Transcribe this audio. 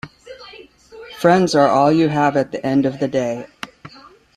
Friends are all you have at the end of the day.